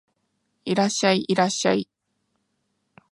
いらっしゃい、いらっしゃい